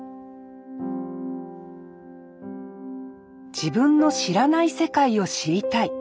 自分の知らない世界を知りたい。